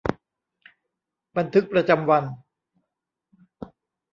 บันทึกประจำวัน